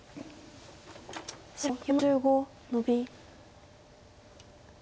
白４の十五ノビ。